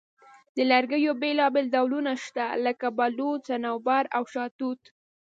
د لرګیو بیلابیل ډولونه شته، لکه بلوط، صنوبر، او شاهتوت.